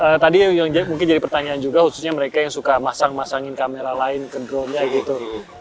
nah tadi yang mungkin jadi pertanyaan juga khususnya mereka yang suka masang masangin kamera lain ke drone nya gitu